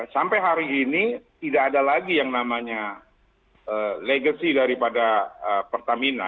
sampai hari ini tidak ada lagi yang namanya legacy daripada pertamina